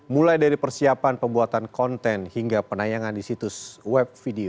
mulai dari persiapan pembuatan konten hingga penayangan di situs web video